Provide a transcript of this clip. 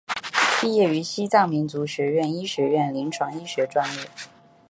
毕业于西藏民族学院医学院临床医学专业。